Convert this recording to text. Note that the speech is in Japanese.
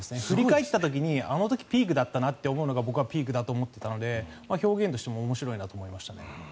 振り返った時にあの時ピークだったなって思うのが僕はピークだと思っていたので表現としても面白いなと思いました。